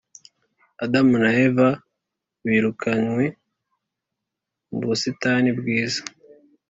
adamu na eva birukanywe mu busitani bwiza